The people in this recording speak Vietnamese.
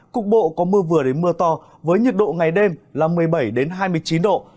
cục bộ có mưa vừa đến mưa to với nhiệt độ ngày đêm là một mươi bảy hai mươi chín độ